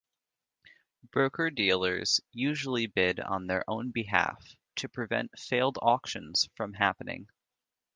Broker-dealers usually bid on their own behalf to prevent failed auctions from happening.